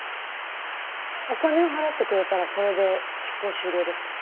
お金を払ってくれたらこれで執行終了ですか？